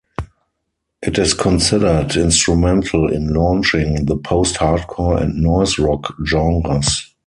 It is considered instrumental in launching the post-hardcore and noise rock genres.